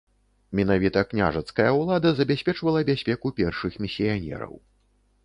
Менавіта княжацкая ўлада забяспечвала бяспеку першых місіянераў.